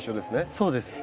そうです。